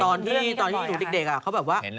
ตอนที่หนูเด็กเขาแบบว่า